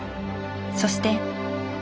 そして。